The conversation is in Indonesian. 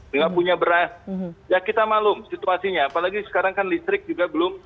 dengan punya beras ya kita malu situasinya apalagi sekarang kan listrik juga belum